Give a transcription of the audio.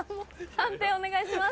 判定お願いします。